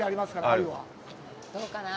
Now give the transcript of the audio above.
どうかな？